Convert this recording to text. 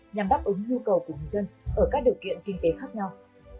nhằm đáp ứng nhu cầu của người dân ở các điều kiện kinh tế khác nhau